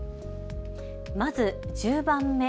まず１０番目。